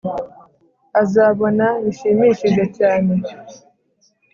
azabona bishimishije cyane